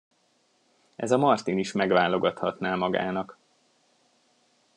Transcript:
Ez a Martin is megválogathatná magának.